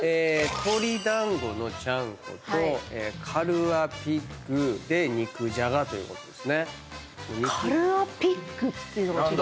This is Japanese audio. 鶏だんごのちゃんことカルアピッグ肉じゃがということですね。